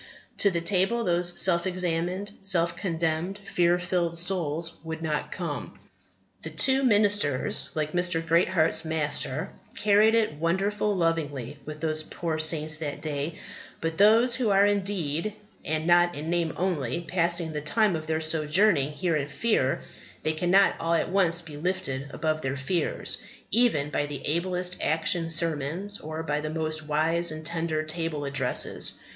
to the table those self examined, self condemned, fear filled souls would not come. The two ministers, like Mr. Greatheart's Master, carried it wonderful lovingly with those poor saints that day; but those who are in deed, and not in name only, passing the time of their sojourning here in fear they cannot all at once be lifted above all their fears, even by the ablest action sermons, or by the most wise and tender table addresses.